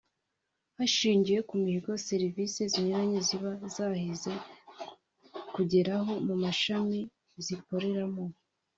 hashingiwe ku mihigo serivisi zinyuranye ziba zahize kugeraho mu mashami zikoreramo